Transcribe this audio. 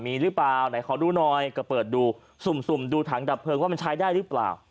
มีหรือเปล่าไหนขอดูหน่อยก็เปิดดูสุ่มดูถังดับเพลิงว่ามันใช้ได้หรือเปล่า